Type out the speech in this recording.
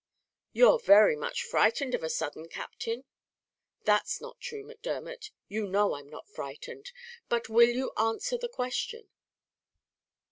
"You're very much frightened on a sudden, Captain." "That's not true, Macdermot; you know I'm not frightened; but will you answer the question?"